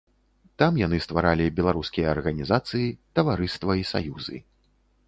Там яны стваралі беларускія арганізацыі, таварыства і саюзы.